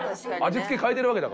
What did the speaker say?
味付け変えてるわけだから。